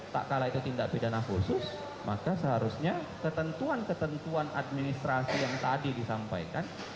tak kala itu tindak pidana khusus maka seharusnya ketentuan ketentuan administrasi yang tadi disampaikan